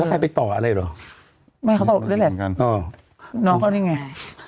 ก็หากปิดต่อเลยหรอไม่เอาแล้วแล้วน้องนี้ไง